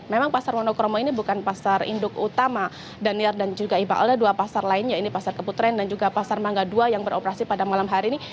memang pasar monokromo ini bukan pasar induk utama daniel dan juga iqbal ada dua pasar lainnya ini pasar keputren dan juga pasar mangga ii yang beroperasi pada malam hari ini